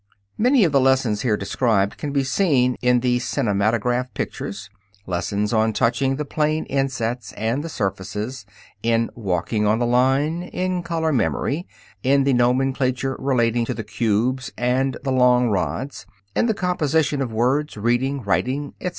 Many of the lessons here described can be seen in the cinematograph pictures; lessons on touching the plane insets and the surfaces, in walking on the line, in color memory, in the nomenclature relating to the cubes and the long rods, in the composition of words, reading, writing, etc.